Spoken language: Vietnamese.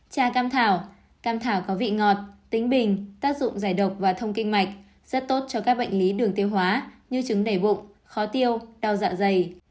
trà cam thảo cam thảo có vị ngọt tính bình tác dụng giải độc và thông kinh mạch rất tốt cho các bệnh lý đường tiêu hóa như trứng đẩy bụng khó tiêu đau dạ dày